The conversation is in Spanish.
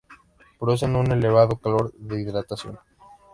Producen un elevado calor de hidratación.